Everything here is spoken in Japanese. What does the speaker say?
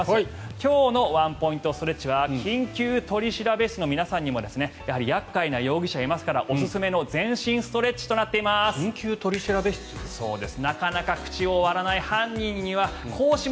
今日のワンポイントストレッチは「緊急取調室」の皆さんにもやはり厄介な容疑者いますからおすすめの全身ストレッチとなっています。